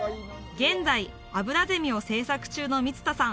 現在アブラゼミを制作中の満田さん